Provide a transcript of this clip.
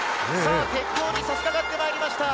鉄橋にさしかかってまいりました。